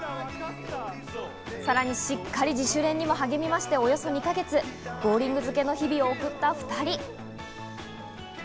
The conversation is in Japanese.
さらに、しっかり自主練にも励みまして、およそ２か月、ボウリング漬けの日々を送った２人。